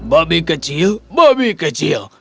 babi kecil babi kecil